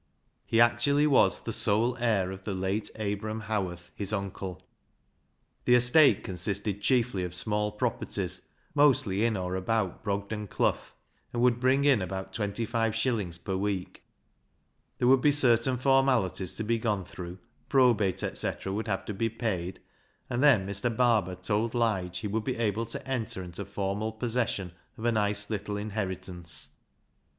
He actually was sole heir of the late Abram Howarth, his uncle. The estate consisted chiefly of small properties, mostly in or about Brogden Clough, and would bring in about twenty five shillings per week. There would be certain formalities to be gone through, probate, etc., would have to be paid, and then Mr. Barber told Lige he would be able to enter into formal possession of a nice little inherit ance.